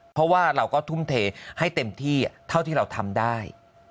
เพราะว่าเราก็ทุ่มเทให้เต็มที่เท่าที่เราทำได้